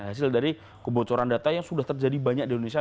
hasil dari kebocoran data yang sudah terjadi banyak di indonesia